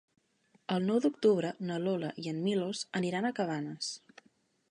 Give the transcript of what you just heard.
El nou d'octubre na Lola i en Milos aniran a Cabanes.